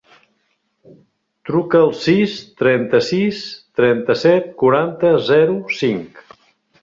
Truca al sis, trenta-sis, trenta-set, quaranta, zero, cinc.